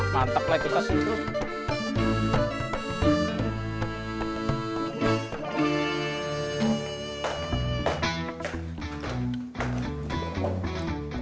mantap lah kita sih